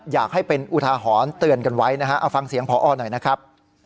อยากให้เป็นอุทาหรณ์เตือนกันไว้นะฮะเอาฟังเสียงพอหน่อยนะครับ